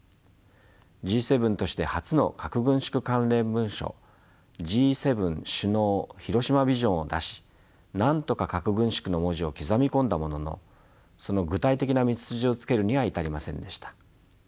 Ｇ７として初の核軍縮関連文書「Ｇ７首脳広島ビジョン」を出しなんとか核軍縮の文字を刻み込んだもののその具体的な道筋をつけるには至りませんでした。